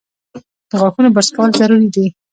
د غاښونو برس کول ضروري دي۔